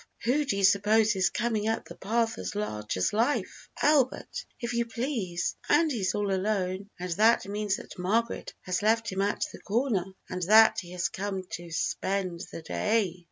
Who do you suppose is coming up the path as large as life? Albert, if you please, and he's all alone, and that means that Margaret has left him at the corner, and that he has come to spend the day."